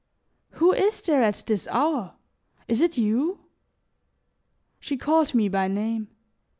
"Who is there at this hour? Is it you?" She called me by name.